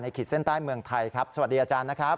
ขีดเส้นใต้เมืองไทยครับสวัสดีอาจารย์นะครับ